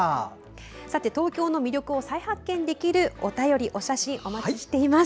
東京の魅力を再発見できるお便り、お写真お待ちしています。